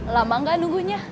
lama enggak nunggunya